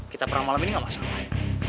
kita perang malam ini gak masalah